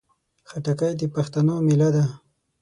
خټکی د پښتنو مېله ده.